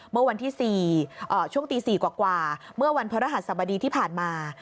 เมื่อวันที่๔ช่วงตี๔กว่าเมื่อวันพระรหัสบดีที่ผ่านมา